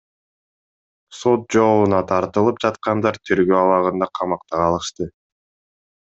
Сот жообуна тартылып жаткандар тергөө абагында камакта калышты.